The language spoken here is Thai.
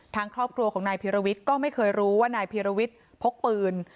ทางครอบครัวของนายพีรวิทย์ก็ไม่เคยรู้ว่านายพีรวิทย์พกปืน